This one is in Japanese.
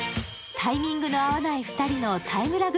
タイミングの合わない２人のタイムラグ